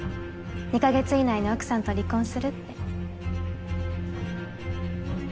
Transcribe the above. ２か月以内に奥さんと離婚するって。